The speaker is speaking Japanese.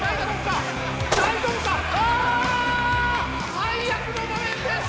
最悪の場面です。